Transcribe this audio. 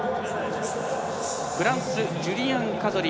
フランス、ジュリアン・カゾリ。